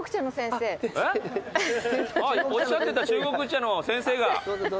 えっ？おっしゃってた中国茶の先生が。